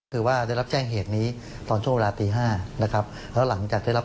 คือที่โรงพักษณ์นะครับ